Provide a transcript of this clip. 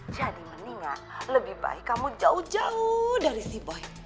mendingan lebih baik kamu jauh jauh dari si boi